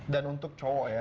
dan untuk cowok ya